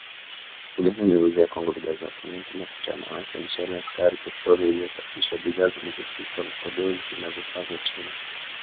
Uganda inaiuzia Kongo bidhaa za Simenti, mafuta ya mawese, mchele, sukari, petroli iliyosafishwa, bidhaa zilizopikwa, vipodozi na vifaa vya chuma